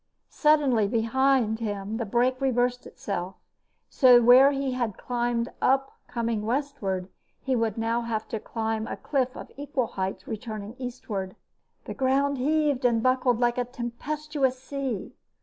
Suddenly behind him the break reversed itself, so that where he had climbed up coming westward he would now have to climb a cliff of equal height returning eastward. The ground heaved and buckled like a tempestuous sea.